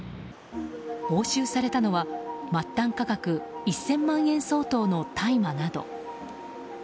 押収されたのは末端価格１０００万円相当の大麻など。